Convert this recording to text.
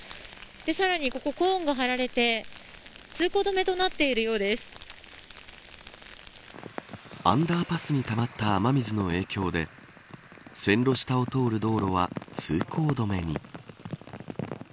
さらに、ここにコーンが張られてアンダーパスにたまった雨水の影響で線路下を通る道路は通行止めに。